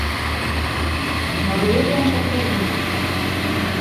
Мариетлан шотлет мо?